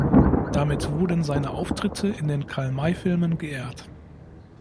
Damit wurden seine Auftritte in den Karl-May-Filmen geehrt.